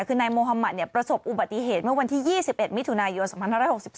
คือนายโมฮามัติประสบอุบัติเหตุเมื่อวันที่๒๑มิถุนายน๒๕๖๒